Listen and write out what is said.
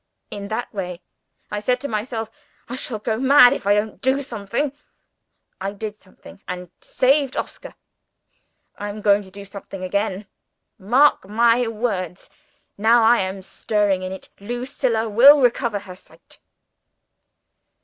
In that way. I said to myself, 'I shall go mad if I don't do something.' I did something and saved Oscar. I am going to do something again. Mark my words! Now I am stirring in it, Lucilla will recover her sight."